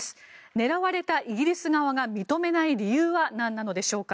狙われたイギリス側が認めない理由は何なのでしょうか。